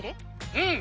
うん！